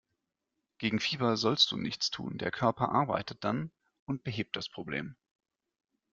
Gegen Fieber sollst du nichts tun, der Körper arbeitet dann und behebt das Problem.